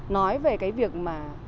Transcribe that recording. nói về cái việc mà